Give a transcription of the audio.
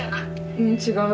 ううん違う。